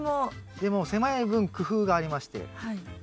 でも狭い分工夫がありまして。